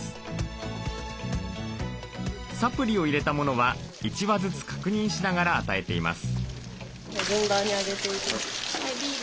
サプリを入れたものは１羽ずつ確認しながら与えています。